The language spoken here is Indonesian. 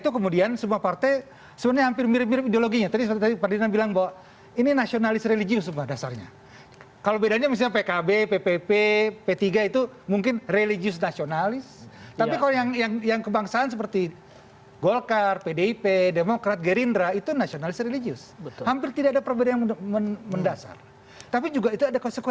kemudian yang kedua adalah sikap ini yang harus dikritik